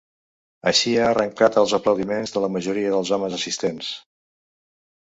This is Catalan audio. Així ha arrencat els aplaudiments de la majoria dels homes assistents.